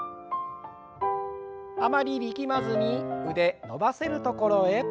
あまり力まずに腕伸ばせるところへ。